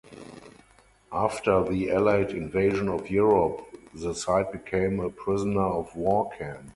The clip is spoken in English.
After the Allied invasion of Europe the site became a prisoner of war camp.